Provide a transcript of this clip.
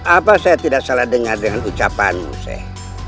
apa saya tidak salah dengar dengan ucapanmu saya